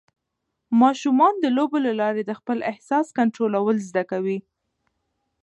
ماشومان د لوبو له لارې د خپل احساس کنټرول زده کوي.